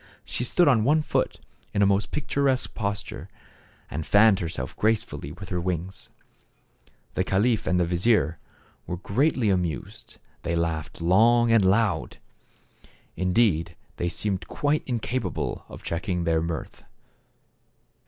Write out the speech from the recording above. She stood on one foot in a most picturesque posture, and fanned herself gracefully with her wings. The caliph and the vizier were greatly 94 THE CAB A VAN. amused. They laughed long and loud. Indeed they seemed quite incapable of checking their mirth.